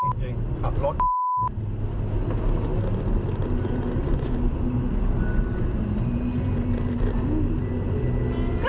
มันแจ้งไม่ได้แม่